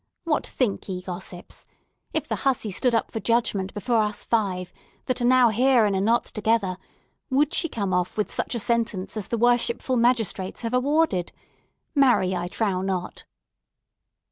What think ye, gossips? If the hussy stood up for judgment before us five, that are now here in a knot together, would she come off with such a sentence as the worshipful magistrates have awarded? Marry, I trow not."